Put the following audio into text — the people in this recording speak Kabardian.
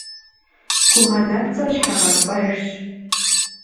Гугъэ нэпцӀыр щхьэгъэпцӀэжщ.